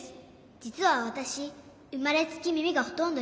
じつはわたしうまれつきみみがほとんどきこえないの。